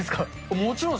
もちろんさ。